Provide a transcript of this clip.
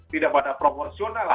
tidak pada proporsional lah